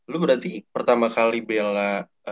lu berarti pertama kali bela